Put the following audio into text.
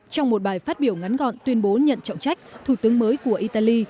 trong một bài phát biểu ngắn gọn tuyên bố nhận trọng trách thủ tướng mới của italy